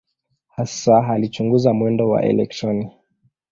Hasa alichunguza mwendo wa elektroni.